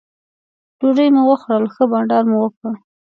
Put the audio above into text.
ډوډۍ مو وخوړل ښه بانډار مو وکړ.